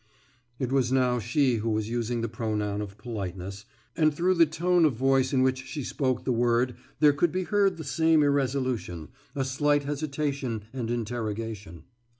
« It was now she who was using the pronoun of politeness, and through the tone of voice in which she spoke the word there could be heard the same irresolution, a slight hesitation and interrogation.